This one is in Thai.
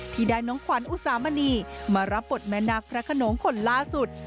ที่ได้น้องขวัญอุสามณีมารับบทแม่นาคพระขนงคนล่าสุด